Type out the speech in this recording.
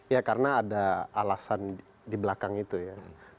ya karena ada alasan di belakang itu ya